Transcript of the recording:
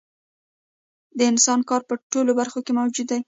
د انسان کار په ټولو برخو کې موجود دی